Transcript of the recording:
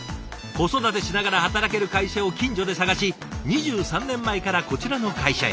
子育てしながら働ける会社を近所で探し２３年前からこちらの会社へ。